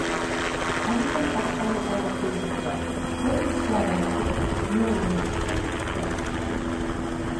ئەمدىلا ئاشخانىنىڭ ئالدىغا كېلىشىمگە، بىر ئىش يادىمغا كېلىپ مېڭەمدىن تۈتۈن چىقىپ كەتتى.